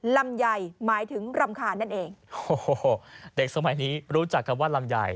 ลำใหญ่หมายถึงลำขานั่นเองเด็กสมัยนี้รู้จักคำว่าลำใหญ่